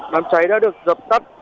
đám cháy đã được dập tắt